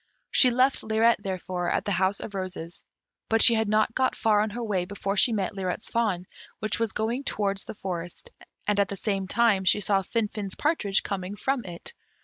She left Lirette, therefore, at the House of Roses; but she had not got far on her way before she met Lirette's fawn, which was going towards the forest, and at the same time she saw Finfin's partridge coming from it.